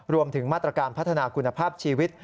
รวมถึงมาตรการพัฒนาคุณภาพชีวิต